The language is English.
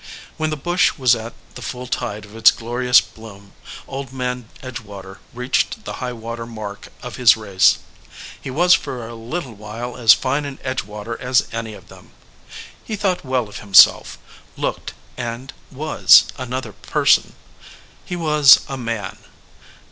When the bush was at the full tide of its glorious bloom, Old Man Edgewater reached the high water mark of his race. He was for a little while as fine an Edge water as any of them. He thought well of him self, looked, and was, another person. He was a Man.